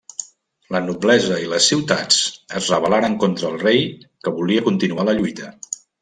La noblesa i les ciutats es rebel·laren contra el rei que volia continuar la lluita.